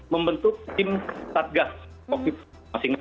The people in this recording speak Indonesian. membentuk tim tatgas